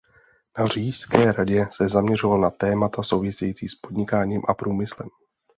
Na Říšské radě se zaměřoval na témata související s podnikáním a průmyslem.